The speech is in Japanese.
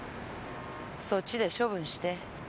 そっちで処分して。